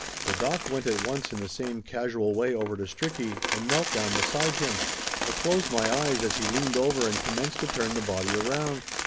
The doc went at once in the same casual way over to Stricky, and knelt down beside him. I closed my eyes as he leaned over and commenced to turn the body around.